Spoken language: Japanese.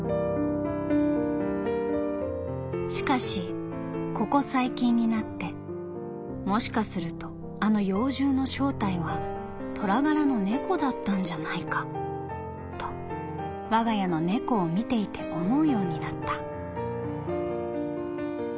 「しかしここ最近になってもしかするとあの妖獣の正体は虎柄の猫だったんじゃないかと我が家の猫を見ていて思うようになった」。